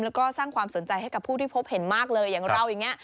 แล้วก็สร้างความสนใจให้กับผู้ที่พบเห็นมากเลยอย่างเราอย่างนี้